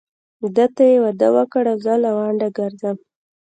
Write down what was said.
ده ته يې واده وکړ او زه لونډه ګرځم.